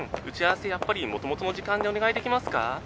打ち合わせやっぱりもともとの時間でお願いできますか？